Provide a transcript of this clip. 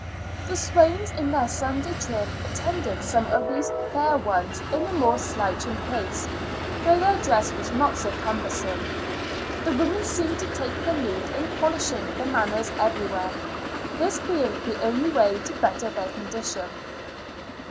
The swains, in their Sunday trim, attended some of these fair ones in a more slouching pace, though their dress was not so cumbersome. The women seem to take the lead in polishing the manners everywhere, this being the only way to better their condition.